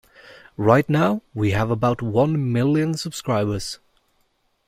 Right now, we have about one million subscribers.